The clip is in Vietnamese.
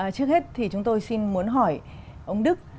trước hết thì chúng tôi xin muốn hỏi ông đức